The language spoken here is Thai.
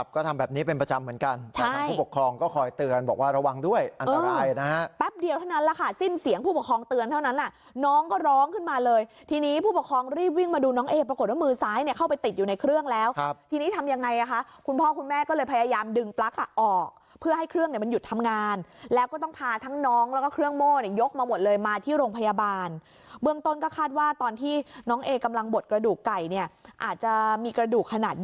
ก็ทำแบบนี้เป็นประจำเหมือนกัน